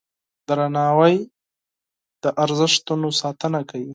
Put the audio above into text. درناوی د ارزښتونو ساتنه کوي.